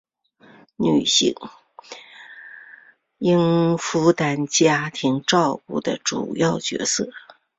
女性仍负担家庭照顾的主要角色